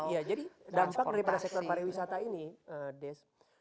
ya jadi dampak daripada sektor pariwisata ini des